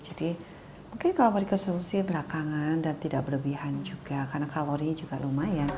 jadi mungkin kalau mau dikonsumsi berakangan dan tidak berlebihan juga karena kalorinya juga lumayan